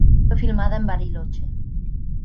Fue filmada en Bariloche.